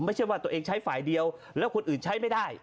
ไม่ใช่ว่าตัวเองใช้ฝ่ายเดียวแล้วคนอื่นใช้ไม่ได้